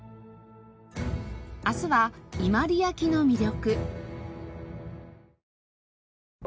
明日は伊万里焼の魅力。